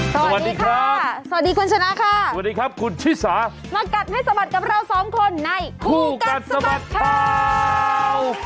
สวัสดีค่ะสวัสดีคุณชนะค่ะสวัสดีครับคุณชิสามากัดให้สะบัดกับเราสองคนในคู่กัดสะบัดข่าว